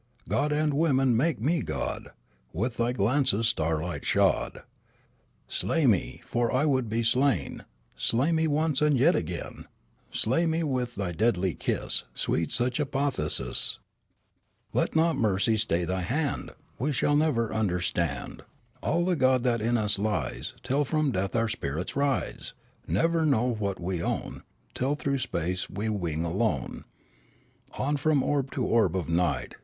God and woman, make me god ; With thy glances starlight shod Slay me ; for I would be slain ; Slay me once and yet again ; Slay me with thy deadly kiss ; Sweet such apotheosis ! Let not mercy stay thy hand ! We shall never understand All the god that in us lies Till from death our spirits rise, Never know what might we own Till through space we wing alone On from orb to orb of night.